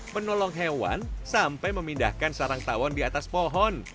menolong hewan sampai memindahkan sarang tawon di atas pohon